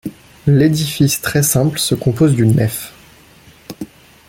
L'édifice, très simple, se compose d'une nef.